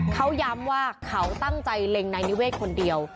เขาย้ำว่าเขาตั้งใจเล็งนายนิเวศคนเดียว